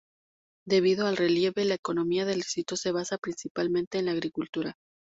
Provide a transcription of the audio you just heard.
Debido al relieve, la economía del distrito se basa principalmente en la agricultura.